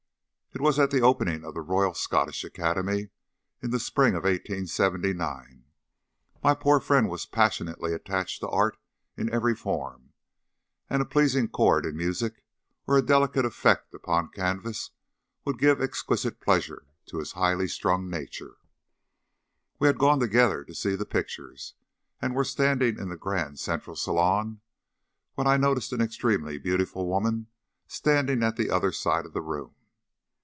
It was at the opening of the Royal Scottish Academy in the spring of 1879. My poor friend was passionately attached to art in every form, and a pleasing chord in music or a delicate effect upon canvas would give exquisite pleasure to his highly strung nature. We had gone together to see the pictures, and were standing in the grand central salon, when I noticed an extremely beautiful woman standing at the other side of the room.